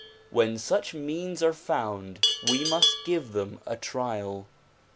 When such means are found we must give them a trial.